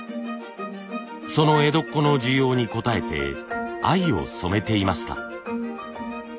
その江戸っ子の需要に応えて藍を染めていました。